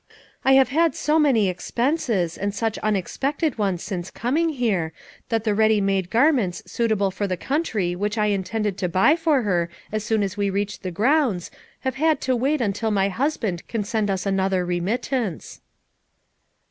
I have had so many expenses and such unexpected ones since coming here, that the ready made garments suitable for the country which I intended to buy for her as soon as we reached the grounds have had to wait until my husband can send us another remittance."